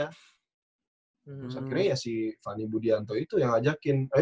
terus akhirnya ya si fanny budianto itu yang ajakin ayo dong jim kita join